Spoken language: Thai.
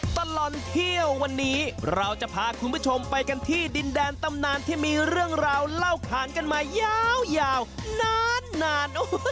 ตลอดเที่ยววันนี้เราจะพาคุณผู้ชมไปกันที่ดินแดนตำนานที่มีเรื่องราวเล่าขานกันมายาวนาน